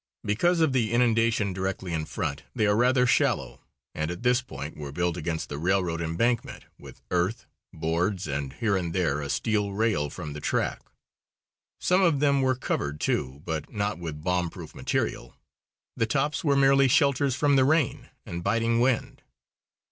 Because of the inundation directly in front, they are rather shallow, and at this point were built against the railroad embankment with earth, boards, and here and there a steel rail from the track. Some of them were covered, too, but not with bombproof material. The tops were merely shelters from the rain and biting wind.